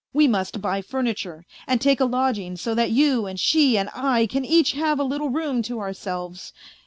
We must buy furniture, and take a lodging so that you and she and I can each have a little room to ourselves.